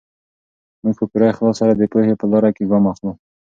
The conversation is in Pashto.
موږ په پوره اخلاص سره د پوهې په لاره کې ګام اخلو.